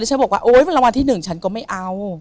ฉันบอกว่าโอ๊ยมันรางวัลที่๑ฉันก็ไม่เอา